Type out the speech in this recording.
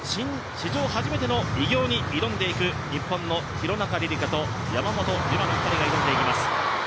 史上初めての偉業に挑んでいく日本の廣中璃梨佳と、山本有真の２人がいます。